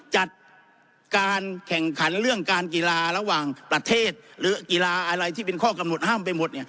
จัดการแข่งขันเรื่องการกีฬาระหว่างประเทศหรือกีฬาอะไรที่เป็นข้อกำหนดห้ามไปหมด